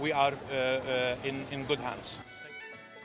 kita berpikir dengan baik